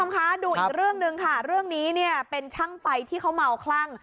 คุณผู้ชมคะดูอีกเรื่องหนึ่งค่ะเรื่องนี้เนี่ยเป็นช่างไฟที่เขาเมาคลั่ง